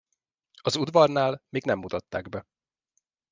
Az udvarnál még nem mutatták be.